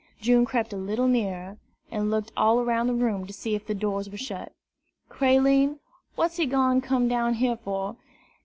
June crept a little nearer, and looked all around the room to see if the doors were shut. "Creline, what's he done gone come down here fur?